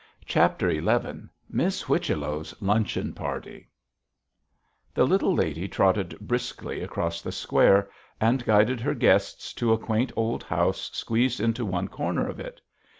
CHAPTER XI MISS WHICHELLO'S LUNCHEON PARTY The little lady trotted briskly across the square, and guided her guests to a quaint old house squeezed into one corner of it.